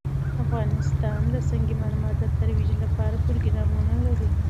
افغانستان د سنگ مرمر د ترویج لپاره پروګرامونه لري.